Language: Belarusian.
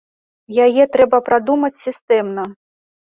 Яе трэба прадумаць сістэмна.